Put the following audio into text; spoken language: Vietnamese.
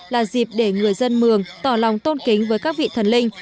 là dịp để người dân mường tỏ lòng tôn kính với các vị thần linh